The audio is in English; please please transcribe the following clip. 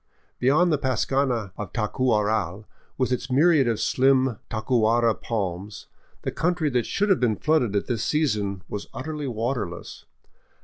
Beyond the pascana of Tacuaral, with its myriad of slim tacuara palms, the country that should have been flooded at this sea son was utterly waterless.